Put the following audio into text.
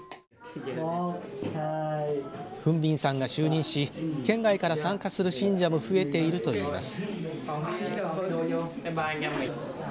フン・ビンさんが就任し県外から参加する信者も増えているといいます。